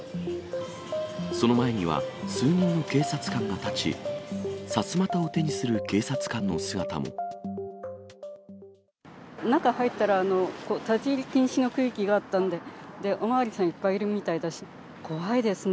その前には数人の警察官が立ち、中入ったら、立ち入り禁止の区域があったんで、お巡りさんいっぱいいるみたいだし、怖いですね。